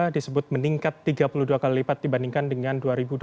disebut meningkat tiga puluh dua kali lipat dibandingkan dengan dua ribu dua puluh